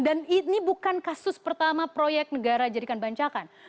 dan ini bukan kasus pertama proyek negara dijadikan bancakan